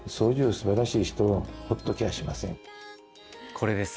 これです。